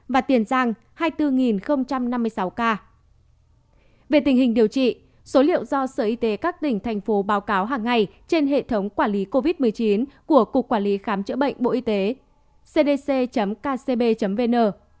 về tình hình điều trị số liệu do sở y tế các tỉnh thành phố báo cáo hàng ngày trên hệ thống quản lý covid một mươi chín của cục quản lý khám chữa bệnh bộ y tế cdc kcb vn